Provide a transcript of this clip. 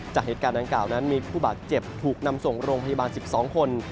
จากเหตุการณ์ดังกล่าวนั้นมีผู้บาดเจ็บถูกนำส่งโรงพยาบาล๑๒คน